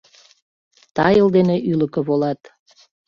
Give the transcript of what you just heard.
Тайыл дене ӱлыкӧ волат.